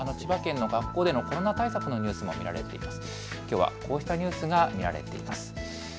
先ほどの千葉県の学校でのコロナ対策のニュースも見られています。